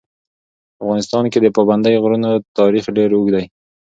په افغانستان کې د پابندي غرونو تاریخ ډېر اوږد دی.